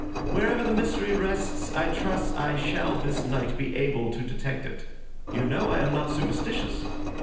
Wherever the mystery rests, I trust I shall, this night, be able to detect it. You know I am not superstitious."